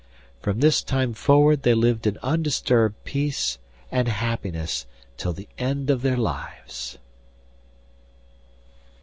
From this time forward they lived in undisturbed peace and happiness till the end of their lives.